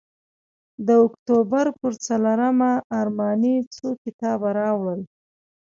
د اکتوبر پر څلورمه ارماني څو کتابه راوړل.